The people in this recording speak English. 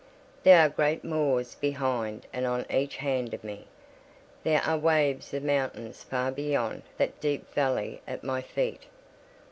There are great moors behind and on each hand of me; there are waves of mountains far beyond that deep valley at my feet.